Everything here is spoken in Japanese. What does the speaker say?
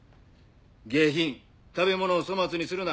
「下品」「食べ物を粗末にするな」